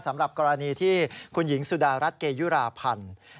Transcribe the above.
สำหรับกรณีที่คุณหญิงสุดารัฐเกยุราพันธ์